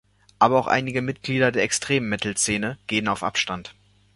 Aber auch einige Mitglieder der extremen Metal-Szene gehen auf Abstand.